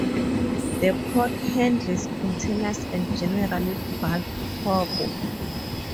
The port handles containers and general bulk cargo.